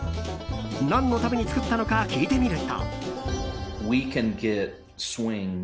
何のために作ったのか聞いてみると。